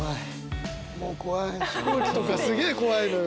もう怖い飛行機とかすげえ怖いのよ。